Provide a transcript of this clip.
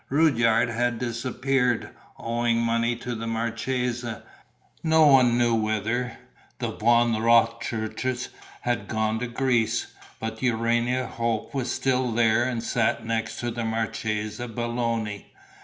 Rudyard had disappeared, owing money to the marchesa, no one knew whither; the Von Rothkirches had gone to Greece; but Urania Hope was still there and sat next to the Marchesa Belloni.